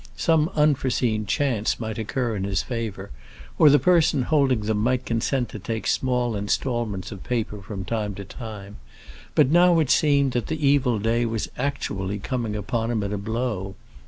Some unforeseen chance might occur in his favour, or the persons holding them might consent to take small instalments of payment from time to time; but now it seemed that the evil day was actually coming upon him at a blow.